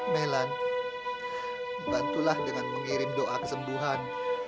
melan bantulah dengan mengirim doa kesembuhan